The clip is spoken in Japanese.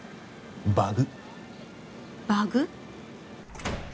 バグバグ？